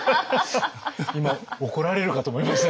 今怒られるかと思いました。